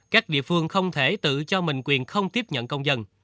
các địa phương không thể tự cho mình quyền không tiếp nhận công dân